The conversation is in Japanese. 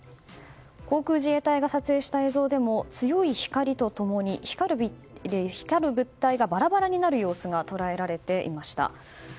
航空自衛隊が撮影した映像でも強い光と共に光る物体がバラバラになる様子が捉えられていました。